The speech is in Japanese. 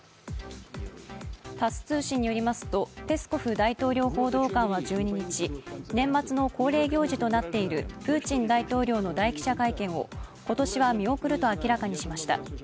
タス通信によりますとペスコフ大統領報道官は１２日、年末の恒例行事となっているプーチン大統領の大記者会見を今年は見送ると明らかにしました。